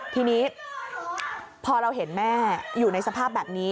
ทีนี้พอเราเห็นแม่อยู่ในสภาพแบบนี้